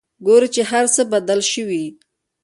ګوري چې هرڅه بدل شوي.